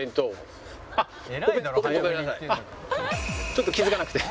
ちょっと気づかなくて。